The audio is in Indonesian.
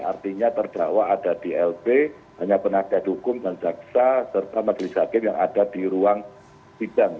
artinya terdakwa ada di lp hanya penasihat hukum dan jaksa serta majelis hakim yang ada di ruang sidang